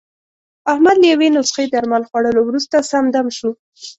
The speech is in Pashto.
احمد له یوې نسخې درمل خوړلو ورسته، سم دم شو.